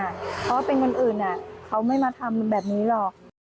เพราะว่าเป็นคนอื่นเขาไม่มาทำแบบนี้หรอก